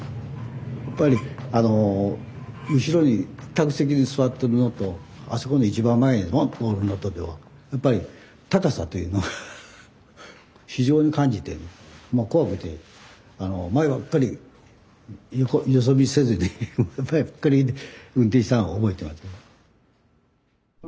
やっぱり後ろに客席に座っとるのとあそこの一番前にボンッとおるのとではやっぱり高さというのが非常に感じて怖くて前ばっかり横よそ見せずに前ばっかり見て運転したのを覚えてますね。